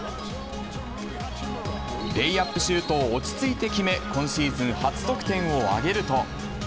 レイアップシュートを落ち着いて決め、今シーズン初得点を挙げると。